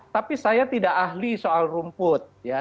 tapi saya tidak ahli soal rumput